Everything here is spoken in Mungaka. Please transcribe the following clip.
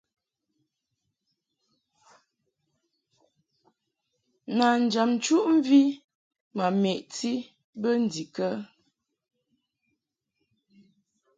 Nanjam nchuʼmvi ma meʼti bə ndikə ?